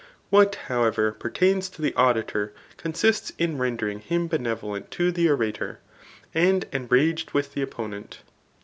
What, howeyer, pertains to the auditor consists in rendering him bene volent to the orator, and enraged tnth the opponent.